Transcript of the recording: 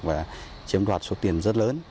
và chiếm đoạt số tiền rất lớn